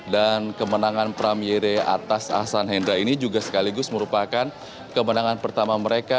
dan kemenangan pram yere atas asan hendra ini juga sekaligus merupakan kemenangan pertama mereka